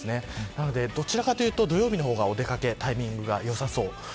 なので、どちらかというと土曜日の方がお出掛けのタイミングにはいいです。